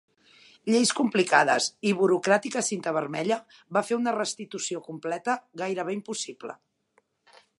Lleis complicades i burocràtica cinta vermella va fer una restitució completa gairebé impossible.